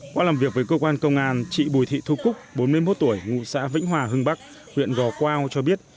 qua làm việc với cơ quan công an chị bùi thị thu cúc bốn mươi một tuổi ngụ xã vĩnh hòa hưng bắc huyện gò quao cho biết